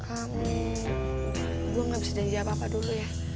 kamu gue gak bisa janji apa apa dulu ya